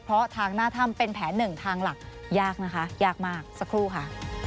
เพราะทางหน้าถ้ำเป็นแผนหนึ่งทางหลักยากนะคะยากมากสักครู่ค่ะ